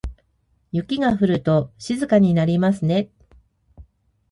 雪が降ると静かになりますね。